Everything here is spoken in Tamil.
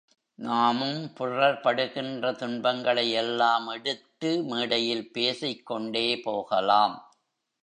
நாமும் பிறர் படுகின்ற துன்பங்களை எல்லாம் எடுத்து மேடையில் பேசிக்கொண்டே போகலாம்.